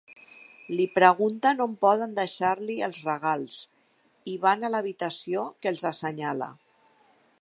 Li pregunten on poden deixar-li els regals, i van a l'habitació que els assenyala.